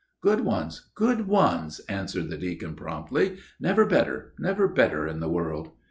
"Good ones! good ones!" answered the deacon promptly, "never better never better in the world."